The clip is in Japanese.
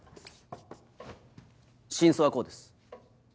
真相はこうです。